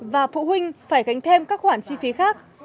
và phụ huynh phải gánh thêm các khoản chi phí khác